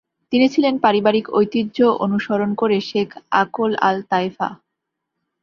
তিনি ছিলেন পারিবারিক ঐতিহ্য অনুসরণ করে শেখ আকল আল তায়েফা।